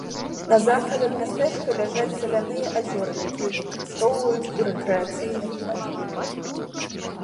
На захад ад мястэчка ляжаць саляныя азёры, якія выкарыстоўваюць у рэкрэацыйных мэтах.